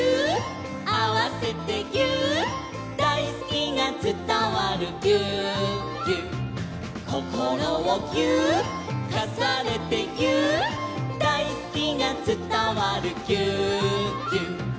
「あわせてぎゅーっ」「だいすきがつたわるぎゅーっぎゅっ」「こころをぎゅーっ」「かさねてぎゅーっ」「だいすきがつたわるぎゅーっぎゅっ」